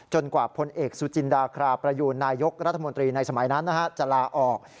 กว่าพลเอกสุจินดาคราประยูนนายกรัฐมนตรีในสมัยนั้นจะลาออก